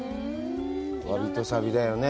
わびとさびだよね。